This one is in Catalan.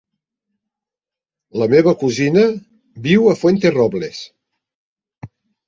La meva cosina viu a Fuenterrobles.